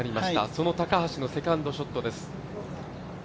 その高橋のセカンドショット。